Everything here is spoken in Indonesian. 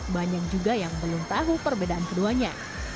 banyak juga yang belum tahu perbedaan keduanya